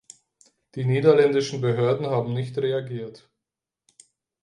Die niederländischen Behörden haben nicht reagiert.